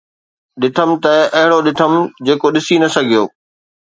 ڏٺم ته اهڙو ڏٺم جيڪو ڏسي نه سگهيو.